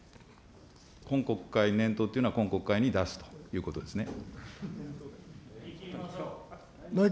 今国会、念頭っていうのは、今国会に出すということですね。